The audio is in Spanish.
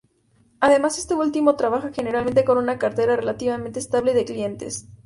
Además, este último trabaja generalmente con una cartera relativamente estable de clientes.